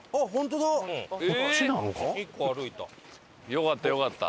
よかったよかった。